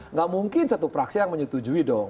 nggak mungkin satu praksi yang menyetujui dong